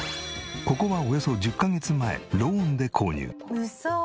ここはおよそ１０カ月前ローンで購入。